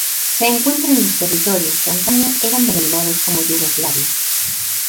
Se encuentra en los territorios que antaño eran denominados como Yugoslavia.